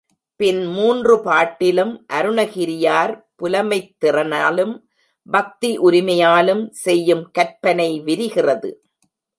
பின் மூன்று பாட்டிலும் அருணகிரியார் புலமைத் திறனாலும் பக்தி உரிமையாலும் செய்யும் கற்பனை விரிகிறது.